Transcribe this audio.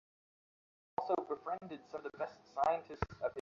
খামারে ফিরে, তোমাকে কিছু বিশেষ সুযোগ-সুবিধা দেয়া হবে।